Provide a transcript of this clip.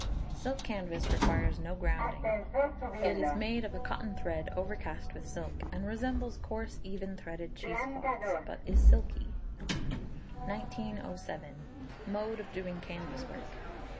Silk canvas requires no grounding; it is made of a cotton thread overcast with silk, and resembles coarse even threaded cheese cloths, but is silky. 1907. Mode of doing Canvas Work.